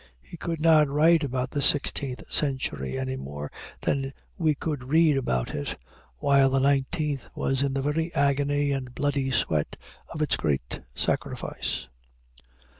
He could not write about the sixteenth century any more than we could read about it, while the nineteenth was in the very agony and bloody sweat of its great sacrifice.